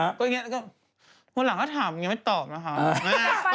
วันหลังถ้าถามอย่างเงี้ยไม่ตอบนะคะ